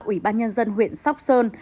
ủy ban nhân dân huyện sóc sơn